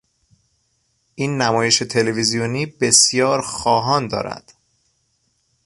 این نمایش تلویزیونی بسیار خواهان دارد.